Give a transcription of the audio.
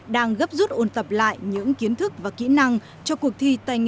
đang gấp rút ôn tập lại những kiến thức và kỹ năng cho cuộc thi tài nghề thế giới lần thứ một mươi chín